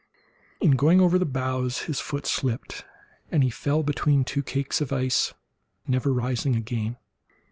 In going over the bows his foot slipped, and he fell between two cakes of ice, never rising again.